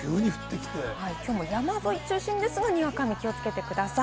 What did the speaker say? きょうも山沿い中心ですが、にわか雨に気をつけてください。